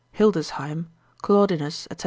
Hildesheim, Claudinus, &c.